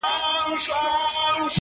د شپې مي دومره وي ژړلي گراني;